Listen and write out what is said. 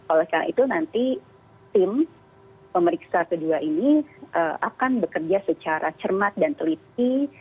oleh karena itu nanti tim pemeriksa kedua ini akan bekerja secara cermat dan teliti